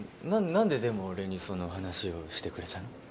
何ででも俺にその話をしてくれたの？